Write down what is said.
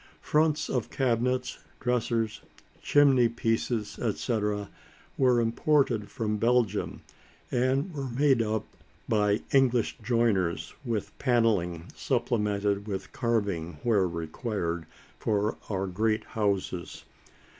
Fronts of cabinets, dressers, chimneypieces, etc., were imported from Belgium and were made up by English joiners with panelling, supplemented with carving where required, for our great houses.